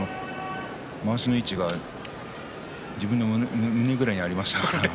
まわしの位置が自分の胸くらいにありましたからね。